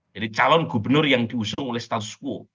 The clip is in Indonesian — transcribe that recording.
jadi calon gubernur yang diusung oleh status quo